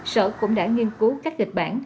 sở cũng đã nghiên cứu các dịch bản